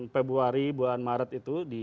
februari bulan maret itu